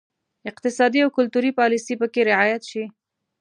اقتصادي او کلتوري پالیسي پکې رعایت شي.